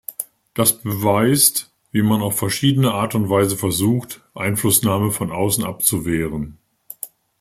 Das beweist, wie man auf verschiedene Art und Weise versucht, Einflussnahme von außen abzuwehren.